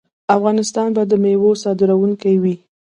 افغانستان به د میوو صادروونکی وي.